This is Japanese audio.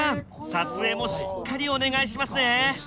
撮影もしっかりお願いしますね。